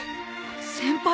先輩